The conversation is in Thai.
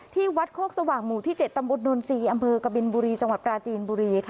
ที่วัดโคกสว่างหมู่ที่๗ตำบลนนทรีย์อำเภอกบินบุรีจังหวัดปราจีนบุรีค่ะ